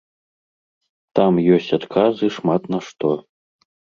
Там ёсць адказы шмат на што.